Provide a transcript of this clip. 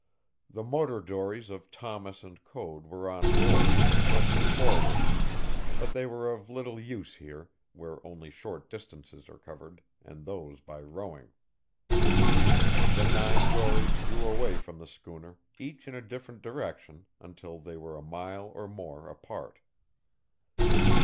The motor dories of Thomas and Code were on board, nested forward, but they were of little use here, where only short distances are covered, and those by rowing. The nine dories drew away from the schooner, each in a different direction, until they were a mile or more apart.